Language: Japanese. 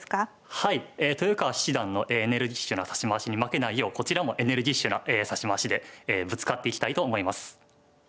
はいえ豊川七段のエネルギッシュな指し回しに負けないようこちらもエネルギッシュな指し回しでぶつかっていきたいと思います。